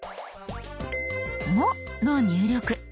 「も」の入力。